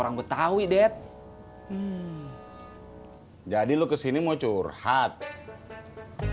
rang gutawi dad jadi lo ke sini mau curhat begitu